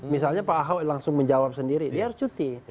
misalnya pak ahok langsung menjawab sendiri dia harus cuti